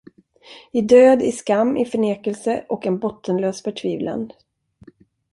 I död, i skam, i förnekelse och en bottenlös förtvivlan.